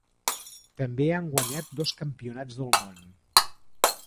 També ha guanyat dos Campionats del món.